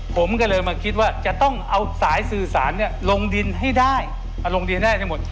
ผมก็เลยมาคิดว่าจะต้องเอาสายสื่อสารเนี่ยลงดินให้ได้มาลงดินได้ให้หมด